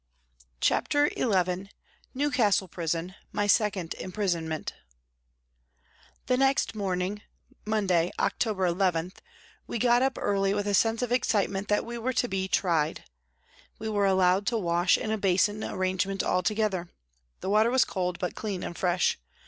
CHAPTER XI NEWCASTLE PRISON : MY SECOND IMPRISONMENT THE next morning, Monday, October 11, we got up early, with a sense of excitement that we were to be " tried." We were allowed to wash in a basin arrangement all together. The water was cold, but clean and fresh.